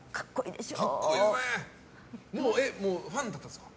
ファンだったんですか？